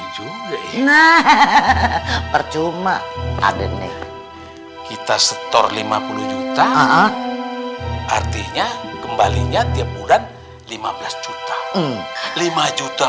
juga percuma adanya kita setor lima puluh juta artinya kembalinya tiap bulan lima belas juta lima juta